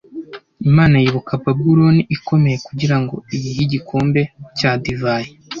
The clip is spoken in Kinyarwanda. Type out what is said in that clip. imana yibuka babuloni ikomeye kugira ngo iyihe igikombe cya divayi